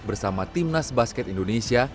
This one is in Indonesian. bersama timnas basket indonesia